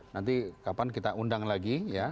nanti kapan kita undang lagi ya